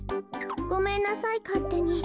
ごめんなさいかってに。